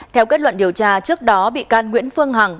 theo kết luận điều tra trước đó bị can nguyễn phương hằng